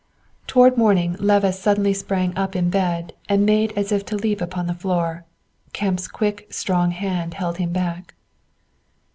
Toward morning Levice suddenly sprang up in bed and made as if to leap upon the floor. Kemp's quick, strong hand held him back.